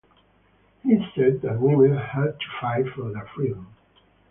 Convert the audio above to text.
He said that women had to fight for their freedom.